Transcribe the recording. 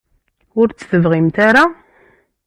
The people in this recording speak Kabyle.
Ur tt-tebɣimt ara?